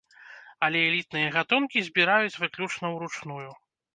Але элітныя гатункі збіраюць выключна ўручную.